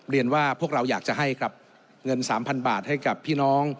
เรียนว่าพวกเราอยากจะให้ครับเงิน๓๐๐บาทให้กับพี่น้อง